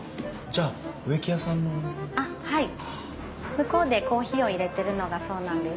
向こうでコーヒーをいれてるのがそうなんです。